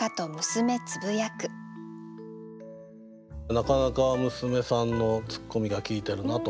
なかなか娘さんのツッコミが効いてるなと。